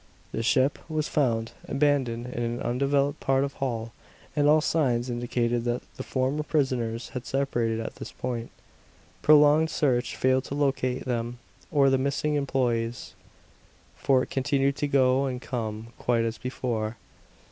The ship, was found, abandoned, in an undeveloped part of Holl; and all signs indicated that the former prisoners had separated at this point. Prolonged search failed to locate them, or the missing employees. Fort continued to go and come quite as before.